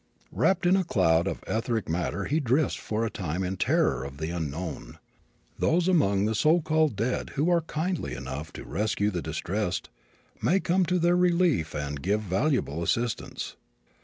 Wrapped in a cloud of etheric matter he drifts for a time in terror of the unknown. Those among the so called dead who are kindly enough to rescue the distressed may come to their relief and give valuable assistance.